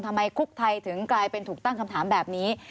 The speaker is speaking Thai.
คุกไทยถึงกลายเป็นถูกตั้งคำถามแบบนี้